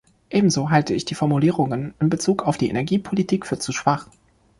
Ebenso halte ich die Formulierungen in Bezug auf die Energiepolitik für zu schwach.